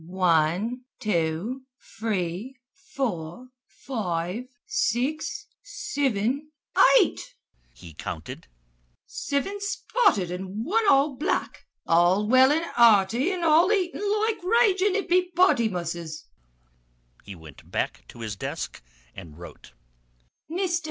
"Wan, two, t'ree, four, five, six, sivin, eight!" he counted. "Sivin spotted an' wan all black. All well an' hearty an' all eatin' loike ragin' hippypottymusses. He went back to his desk and wrote.